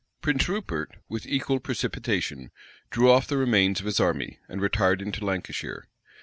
[] Prince Rupert, with equal precipitation, drew off the remains of his army, and retired into Lancashire.